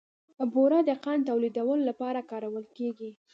بوره د قند تولیدولو لپاره کارول کېږي.